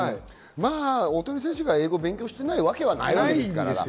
大谷選手が英語を勉強していないわけはないですから。